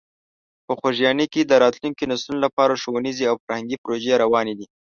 په خوږیاڼي کې د راتلونکو نسلونو لپاره ښوونیزې او فرهنګي پروژې روانې دي.